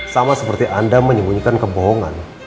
sama seperti anda menyembunyikan kebohongan